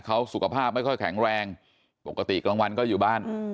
เขาสุขภาพไม่ค่อยแข็งแรงปกติกลางวันก็อยู่บ้าน